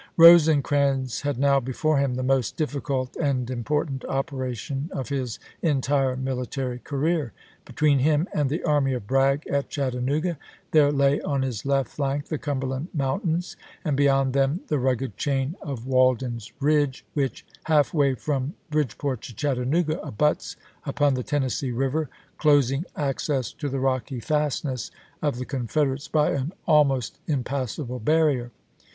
Rosecrans had now before him the most difficult and important operation of his entire military career. Between him and the army of Bragg at Chattanooga there lay on his left flank the Cumber land Mountains, and beyond them the rugged chain of Walden's Ridge, which, half way from Bridge port to Chattanooga, abuts upon the Tennessee River, closing access to the rocky fastness of the Confederates by an almost impassable barrier.